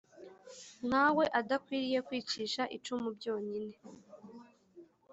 nka we adakwiriye kwicisha icumu byonyine.